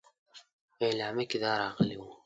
اعلامیه کې دا راغلي وه.